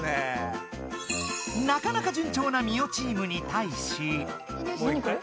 なかなか順調なミオチームに対し。何これ？